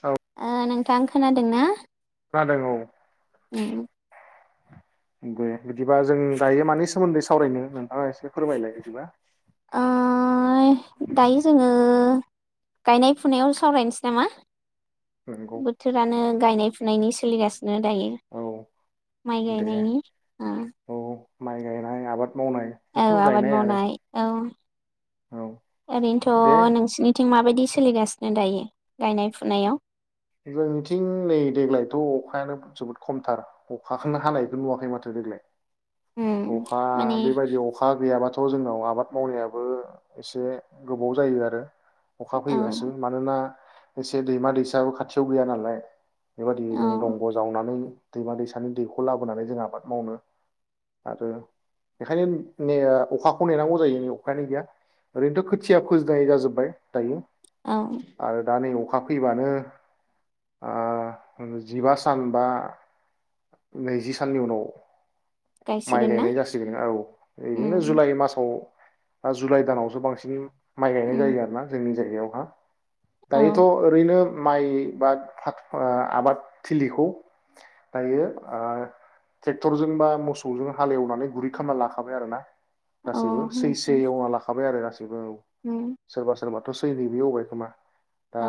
औ ओ नों थां खोनादों ना? खोनादों औ उम दे बिदिबा जों दायो मानि सोमोन्दै सावरायनो नोंथाङा एसे फोरमायलाय बिदिबा? ओ दायो जोङो गायनाय फुनायाव सावरायनोसै नामा नंगौ बोथोरानो गायनाय नायनि सोलिगास नो दायो औ माइ दे गायनायनि औ माइ गायनाय आबाद मावनाय औ जिखुनु आबाद गायनाय आरो मावनाय औ औ ओरैनोथ' दे नोंसिनिथिं माबायदि सोलिगासिनो दायो गायनाय फुनायाव जोंनिथिं नै देग्लायथ' अखायानो जोबोद खमथार अखाखौनो हानायखौ नुवाखै माथो देग्लाय। उम अखा माने बेबायदि अखा गैयाबाथ' थ' जोंनाव आबाद मावनायाबो एसे गोबाव जायो आरो अखा फैबासो औ मानोना एसे दैमा दैसायावो खा थियाव गैया नालाय बेबायदि औ जों दंग' जावनानै दैमा दैसानि दैखौ लाबोनानै जों आबाद मावनो आरो बेखायनो ने अखाखौ नेनांगौ जायो न अखायानो गैया ओरैनोथ' खोथिया फोजनाय जाजोब्बाय दायो। औ आरो दा नैबाव खा फैबानो जिबा सान बा नैजि साननि उनाव माइ गायसिगोन ना? गायनाय जासिगोन औ बिदिनो उम जुलाइ मासाव। दा जुलाइ दानावसो बांसिन माइ गायनाय जायो उम आरो ना जोंनि जायगायावहा। औ दायोथ' ओरैनो माइ बाद [unintelligible] ओ आबाद थिलिखौ दायो ओ ट्रेक्टरजों बा मोसौजों हालेवनानै गुरै खालामना लाखाबाय आरो ना। औ गासिबो सैसै हेवना लाखाबाय आरो गासिबो औ उम सोरबा सोरबा [unintelligible] एवबाय खोमा। दा औ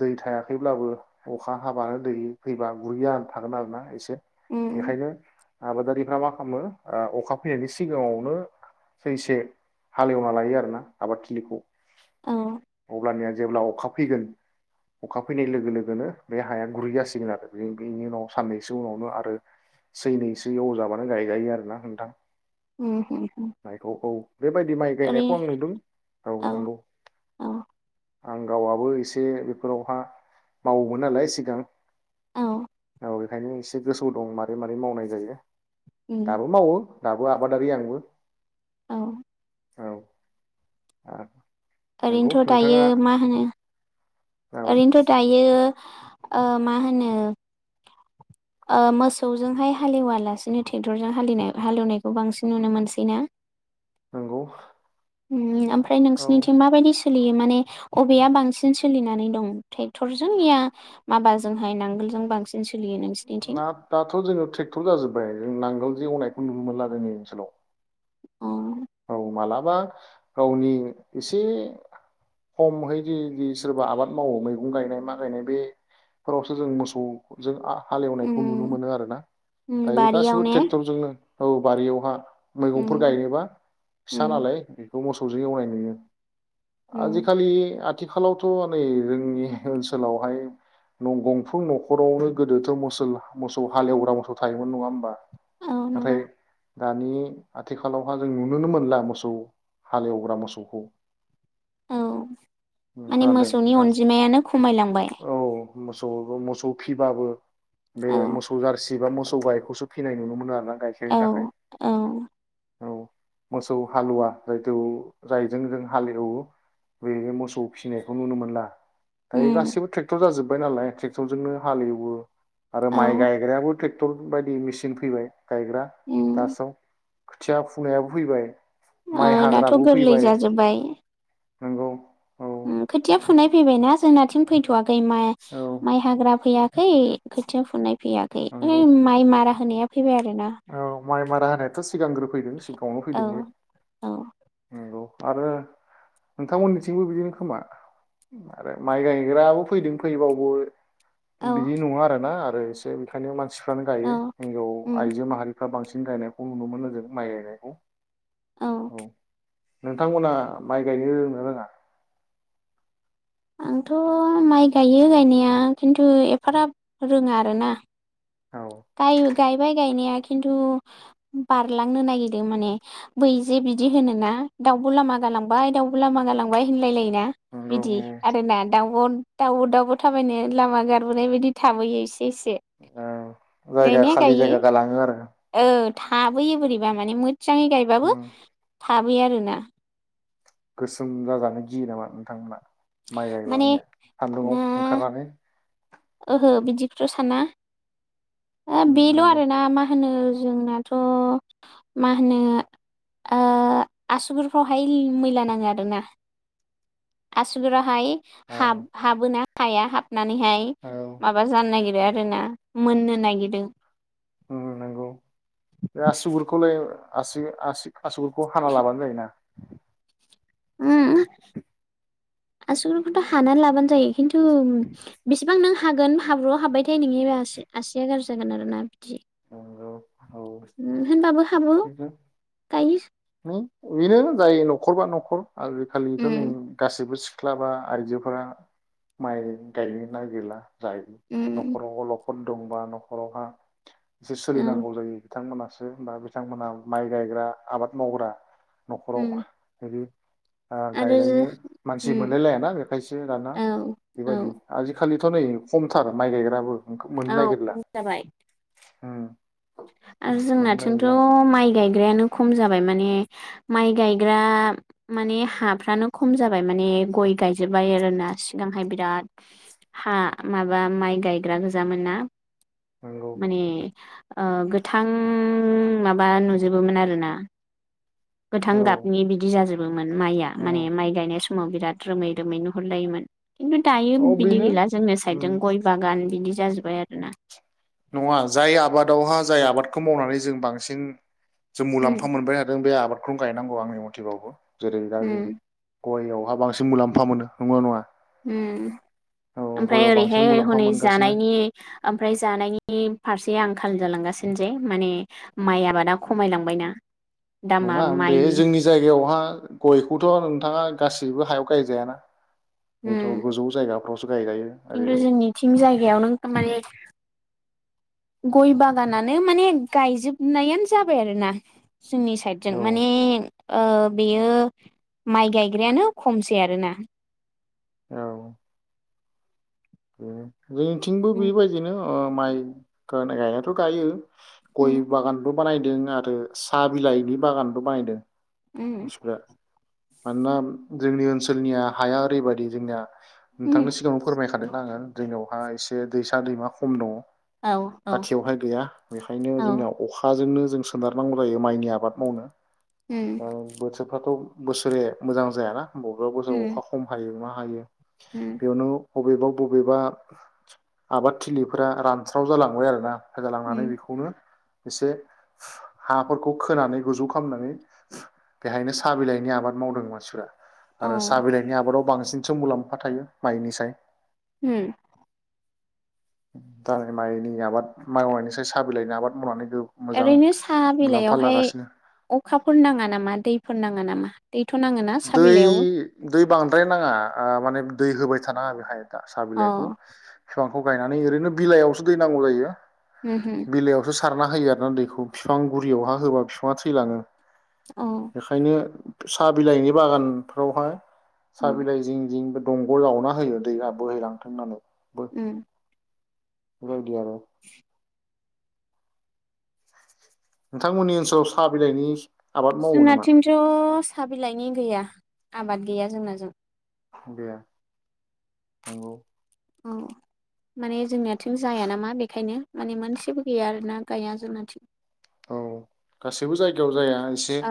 दै थाया थायोब्लाबो अखा हाबानो दै फैबा गुरै जाना थागोन आरोना एसे । उम बेखायनो आबादारिफ्रा मा खालामो ओ अखा फैनायनि सिगाङावनो सैसे हालेवना लायो आरो ना आबादथिलिखौ। औ अब्ला निया जेब्ला अखा फैगोन अखा फैनाय लोगो लोगोनो बे हाया गुरै जासिगोन आरो बे-बेनि उनाव साननैसो उनावनो आरो सैनैसो एवजाबानो गायजायो आरोना नोंथां। उम [unintelligible] बेबायदि माइ ओरै गायनायखौ आं नुदों औ नंगौ। औ आं गावआबो एसे बे फोरावहा मावोमोन नालाय सिगां। औ अ बेखायनो एसे गोसोआव दं मारै मारै मावनाय जायो। उम दाबो मावो दाबो आबादारि आंबो। औ ओ ओरैनोथ' दायो मा होनो औ ओरैनोथ' दायो ओ मा होनो ओ मोसौजोंहाय हालेवा लासिनो ट्रेक्टरजों हालिनाय हालेवनायखौ बांसिन नुनो मोनसैना? नंगौ ओमफ्राय औ नोंसिनिथिं माबायदि सो लियो माने बबेया बांसिन सोलिनानै। ट्रेक्टरजों या माबाजोंहाय नांगोलजों बांसिन। सोलियो नोंसिनिथिं ना दाथ‌ जोंनाव ट्रेक्टर जाजोबबाय जों नांगोल जों एवनायखौ नुनो मोनला जोंनि ओनसोलाव। अ। औ मालाबा गावनि एसे [unintelligible] सोरबा आबाद मावो मैगं गायनाय मा गायनाय बेफोरावसो जों मोसौजों आ हालेवनायखौ नुनो उम मोनो आरो ना उम दायो बारियाव गासिबो ने ट्रेक्टरजोंनो औ बारियावहा उम मैगंफोर गायनोबा । उम फिसालालाय बे खौ मोसौजों एवनाय नुयो। उम आजिखालि आद- आथिखालावथ नै जोंनि ओनसोलावहाय न गंफ्रम नखरावनो गोदोथ मोस मोसौ हालेवग्रा मोसौ थायोमोन नङा होमबा? औ नंगौ नाथाय। दानि आथिखालावहा जों नुनो। नुनो मोनला मोसौ हालेवग्रा मोसौखौ। औ माने खोनादों मोसौनि नोंथां अनजिमायानो खमायलांबाय। मोसौबो मोसौ फिबाबो। बे औ मोसौ जारसि एबा मोसौ गायखौसो फिनाय नुनो मोन आरोना आं। गायखेरनि औ दाखाय। औ मोसौ हालुवा जायथु जायजों जों हालेवो बै मोसौ फिसिनायखौ नुनो मोनला। दायो उम गासिबो ट्रेक्टर जाजोब जबाय नालाय ट्रेक्टर जजोंनो हालेवो आरो औ माइ गायग्रायाबो ट्रेक्टर बायदि मेसिन फैबाय। गायग्रा उम थासाव। खोथिया फुनायाबो। फैबाय। माइ ओह दाथ गोरलै जाजोब्बाय। नोंगौ। उम खोथिया फुनाय फैबायना जोंनाथिं फैथवाख माइ औ माइ हाग्रा फैयाखै खोथिया फुनाय फैयाखै ऐ नंगौ माइ मारा। [unintelligible] औ माइ माराहोनायथ। सिगांग्रो फैदों सिगा [unintelligible] औ फैदों बेे औ नंगौ। आरो नोंथांमोननिथिं बिदिनो खोमा आरो माइ गायग्राबो फैदों फैबावगौओ औ बिदि नङा आरो ना औ [unintelligible] [unintelligible] उम आइजो माहारि। दा बांसिन गायनायखौ नुनो मोनो जों माइ गायनायखौ। औ। नोंथांमोना माइ गायनो रोंङो ना रोङा? आंथ माइ गायो गायनाया खिन्थु एफाराब रोङा आरोना। औ गायु गायबाय गायनाया खिन्थु बारलांनो नागिरो माने बै जे बिदि होनोना दाउब लामा गालांबाय दाउब लामा गालांबाय होनलायलायो ना नंगौ बिदि आरोना दाउब दाउबो दाउबो थाबायनो लामा गारबोनाय बायदि थाबोयो इसे इसे। जायगाया खालि जायगा गालाङो आरो। आबोयो बोरैबा माने मोन जांङै गायबाबो उम फो आबै आरोना। गोसोम जाजानो गियो नामा नोंथांमोना? माइ गायबा माने ना सान्दुङाव ओंखारनानै ओहो बिदिखौथ साना। ओ उम बेल नंगौ आरो ना मा होनो जोंनाथ माहोनो ओ आसुगुरफ्रावहाय मैला नाङो आरो ना आसु गुराहाय औ हाब हाबोना हाया हाब नानैहाय औ माबा जानो नागिरो आर रोना मोननो नागिदो। ओ नोंगौ बे आसुगुरखौलाय आसि आसिग आसुगुरखौ हाना लाबानो जायोना। उम। आसुगुरखौथ हानानै लाबानो जायो। खिन्थु बेसेबां नों हा हागोन हाब्रुआव हाबबायथाय नोंनि बे आसि आसिया गारजि जागोन आरो ना। औ औ होनबाबो हाबो बिद गायो न इनो जायों नखरबा नखर। आलो खालिनथ नै उम गासिबो सि ख्लाबा आइजोफोरा माइ गायनो नागिरला । जाय उम न'खराव अलग दंबा न'खरावहा जो औ सोलिनांगौ जायो थांमोनासो बा बिथांमोनआ माइ गायग्रा आबाद मावग्रा । उम न'खराव इदि ओ आरो गायलायनो मानसि उम मोनलाय लायाना बेखायसो दाना औ औ बेबायदि आजिखालि दाथ' नै खमथार माइ गायग्रायाबो । औ खम जाबाय उम्म आरो जोंनाथिंथ माइ गायग्रायानो खम जाब माइ माने माइ गायग्रा माने हाफ्रानो खम जाबाय माने गय गायजोब्बाय आरोना सिगांहाय बिराद हा माबा माइ गायग्रा गोजामोन ना । नंगौ माने ओ गोथां माबा नुजोबोमोन आरोना गोथां औ गाबनि बिदि जाजोबोमोन माइया औ माने माइ गायनाय समाव बिराद रोमै रोमै नुहरलायोमोन । खिन्थु दायो औ बिदि बेनो गैला जोंनि उम साइदजों गय बागान बिदि जाजोबबाय आरोना नङा जाय आबादावहा जाय आबादखौ मावनानै जों बांसिन जों उम मुलाम्फा मोनबाय थादों बे आबाद खौ गायनांगौ आंनि मथेबाबो जेरै दा जों उम गइआवहा बांसिन मुलाम्फा मोनो नंगौना नङा? उम्म औ ओमफ्राय गयाव बांसिन ओरैहाय मुलाम्फा हनै मोनगासिनो जानायनि ओमफ्राय जानायनि नि फारसे आंखाल जालांगासिनो जे माने माइ आबादा खमायलांबायना दामा नङा बे माइनि जोंनि जायगायावहा गइखौथ नोंथांङा गासि सिबो हायाव गायजायाना बेथ' होम गोजौ जायगाफ्रावसो गायजायो खिन्थु आरो जोंनिथिं जायगायाव नों माने गइ बागानानो माने गायजोबनायानो जाबाय आरोना जोंनि साइडजों औ माने ओ बेयो माइ गायग्रायानो खमसै आरोना । औ बेनो जोंनिथिंबो उम बेबायदिनो ओ माइ गाय गायनायाथ गायो उम गय बागानथ बानायदों आरो साहा बिलाइनि बागानबो बानायदों उम मानसिफ्रा मानोना जोंनि ओनसोलनिया हाया ओरैबायदि जोंनिया उम नोंथांनो सिगाङाव फोरमायखादों आङो जोंनियावहाय एसे दैसा दैमा खम दङ औ औ खाथियावहाय गैया बेखायनो औ जोंनिया अखाजोंनो जों सोनारनांगौ जायो माइनि आबाद मावनो उम दा बोथोरफ्राथ' बोसोरे मोजां जायाना बबेबा बोसाव अखा उम खम हायो मा हायो उम बेउनो बबेबा बबेबा आबादथिलिफोरा रानस्राव जालांबाय आरोना होगालांनानै उम बेखौनो एसे हाफोरखौ खोनानै गोजौ खालामनानै बेहायनो साहा बिलाइनि आबाद मावदों मानसिफ्रा अ आरो साहा बिलाइनि आबादाव बांसिनसो मुलाम्फा थायो माइनिसाय ओम दा माइनि आबाद माइ मावनायनिसाय साहाब बिलाइनि आबाद मावनानै मोजां ओरैनो साहा मुलाम्फा बिलाइयावहाय लागासिनो अखाफोर नाङा नामा दैफोर ना ङा नामा? दैथ' नाङोना साहा दै बिलाइयावबो दै बांद्राय नाङा ओ माने दै होबाय थानाङा बेहाय दा साहा अ बिलाइखौ बिफांखौ गायनानै ओरैनो बिलाइयावसो दै नांगौ जायो उमहो बिलाइआवथ' सारना होयो आरोना दैखौ बिफां गुरियावहा होबा बिफाङा थैलाङो। अ बेखायनो सा बिलाइनि बागानफ्रावहाय सा उम बिलाइ जिं जिं दंग' जावना होयो दैया बोहैलांथों होननानै ओम [unintelligible] [unintelligible] नोंथांमोननि ओनसोलाव साहा बिलाइनि आबाद मावो नामा जोंनाथिंथ' सा बिलाइनि गैया आबाद गैया जोंनाजों दे नंगौ औ माने जोंनिया थिं जाया नामा बेखायनो माने मोनसेबो गैया आरो ना गाया जोंनाथिं। औ गासैबो जायगायाव जाया एसे औ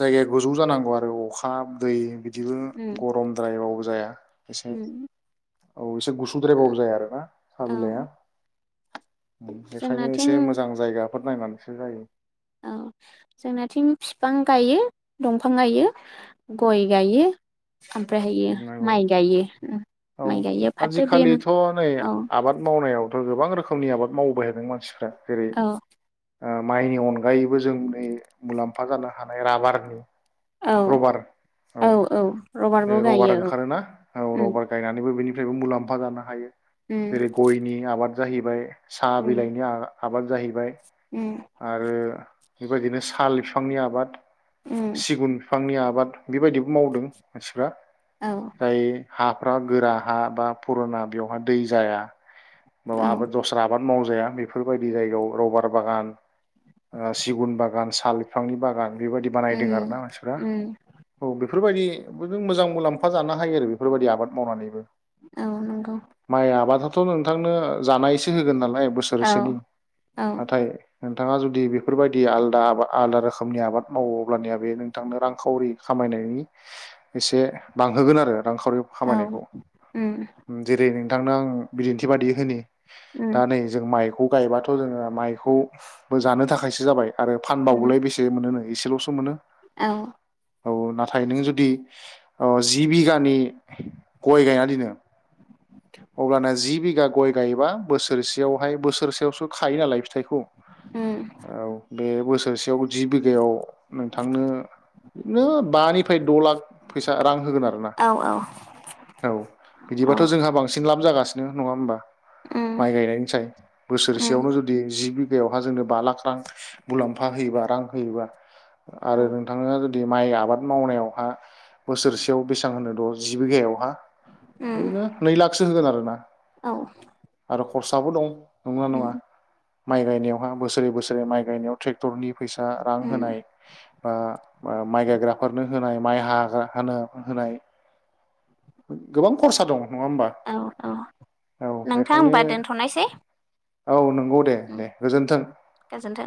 जायगाया गु- नांगौ आरो अखा दै बि- -दिनो उम गरमद्रायाव जाया एसे उम औ एसे ओ गुसुद्रायबाबो जाया आरोना साहा बिलाया औ बेखायनो जोंनाथिं एसे मोजां जायगा [unintelligible] सो जायो औ जोंनाथिं फिफां गायो दंफां गायो गय गायो। ओमफ्रायहायो नंगौ माइ गायो उ औ माइ गायो फाथो बे आजिखालिथ' नै औ आबाद मावनायावथ' गोबां रोखोमनि आबाद मावबोबाय थादों मानसिफ्रा। जेरै औ ओ माइनि अनगायैबो जों नै मुलाम्फा जानो हानाय राबार औ औ औ र बे रबार ओंखारोना औ रबार गायनानैबो बेनि निफ्रायबो मुलाम्फा जानो हायो उम जेरै गयनि आबाद जाहैबाय साहा उम बिलाइनि आ आबाद जाहैबाय उम आरो बेबायदिनो साल बिफांनि आबाद उम सिगुन बिफांनि आबाद बेबायदिबो मावदों औ मानसिफ्रा [unintelligible] गोरा हा बा पुरना बेवहाय दै जाया म औ दस्रा आाद [unintelligible] मावजाया बेफोरबायदि जायगायाव रबार बागान सिगुन बागान साल बिफांनि बागान- बेबायदि बानायदों आरो उम ना मानसिफ्रा उम औ बे बेफोर बायदि मोजां मुलाम्फा जानो हायो आरो बेफोरबायदि आबाद मावनानैबो। औ नंगौ। थ नों। नोंथांनो जानायसो होगोन नालाय फ्राय औ बोसोरसेनि औ नाथाय नोंथाङा जुदि बेफोरबायदि आलादा आब आलादा रोखोमनि आबाद मावोब्लानिया बे नोंथांनो रांखावरि खामायनायनि एसे बांहोगोन आरो। रांखावरि औ खामायनायखौ उम जेरै निं। थांनो आंङो बिदिन्थि। बादि होनो। उम दा नै जों माइखौ। खौ गायबाथ' जोङो माइखौबो जानो थाखायसो जाबाय। आरो फानबावलाय बेसे मोनोनो। एसेल'सो मोनो। ‌औ। औ नाथाय नों जुदि जि बिगानि गय गायना दोनो। अब्लाना जि बिघा गय गायबा बोसोरसेयावहाय बोसोरसेयावसो खायो नालाय फिथाइखौ। उम औ से बोसोर। थोरसेयाव जिबो। बिघायाव नोंथांनो। बिदिनो बानिफ्राय द' लाख। फैसा रां होगोन आरोना औ औ औ औ बिदिबाथ' जोंहा। लाब जागासिनो नङा होमबा। उम माइ गायनायनिसाय उम बोसोरसेयावनो जुदि जि। बेवहाय जोंनो बा लाख रां मुलाम्फा होयोबा रां होयोबा। औ आरो नोंथाङा जुदि। बे माइ आबाद मावनायावहा। बोसोरसेयाव बेसेबां होनो द'। जि बिगायावहा। उम ना। नै लाखसो होगोन आरोना औ आरो। खरसाबो दं। नङा नङा। उम माइ गायनायावहा बोसोरै बोसोरै माइ गायनायाव ट्रेक्टरनि। फैसा रां होनाय उम बा माइ गायग्राफोरनो। होनाय माइ हाग्रा हानो होनाय। गोबां खरसा दङ औ औ नोंथां बेखायनो होमबा दोनथ'नायसै। औ नों नंगौ दे उम दे गोजोनथों। गोजोन्थों।